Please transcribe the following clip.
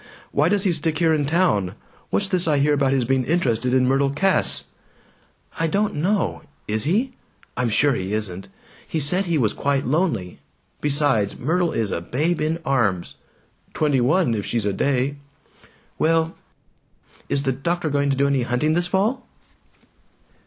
Why does he stick here in town? What's this I hear about his being interested in Myrtle Cass?" "I don't know. Is he? I'm sure he isn't! He said he was quite lonely! Besides, Myrtle is a babe in arms!" "Twenty one if she's a day!" "Well Is the doctor going to do any hunting this fall?"